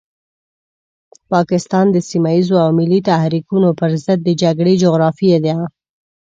پاکستان د سيمه ييزو او ملي تحريکونو پرضد د جګړې جغرافيې ده.